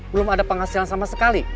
belum ada penghasilan sama sekali